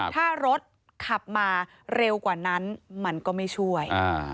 ถ้ารถขับมาเร็วกว่านั้นมันก็ไม่ช่วย